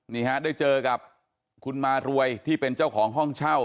นี่ฮะได้เจอกับคุณมารวยที่เป็นเจ้าของห้องเช่า